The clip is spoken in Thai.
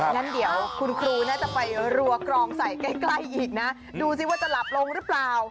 งั้นเดี๋ยวคุณครูน่าจะไปรัวกรองใส่ใกล้ใกล้อีกนะดูสิว่าจะหลับลงหรือเปล่า